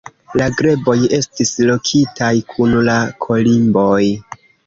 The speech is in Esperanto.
La greboj estis lokitaj kun la kolimboj.